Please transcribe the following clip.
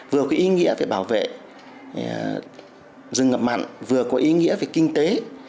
vừa có ý nghĩa về bảo vệ rừng ngập mặn vừa có ý nghĩa về kinh tế